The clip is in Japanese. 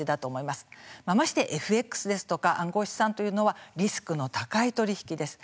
ましてＦＸですとか暗号資産というのはリスクの高い取り引きです。